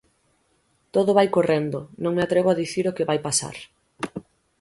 Todo vai correndo, non me atrevo a dicir o que vai pasar.